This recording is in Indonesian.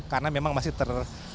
karena memang masih ter